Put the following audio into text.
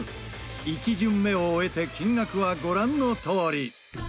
１巡目を終えて金額はご覧のとおり。